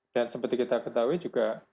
dan seperti kita ketahui juga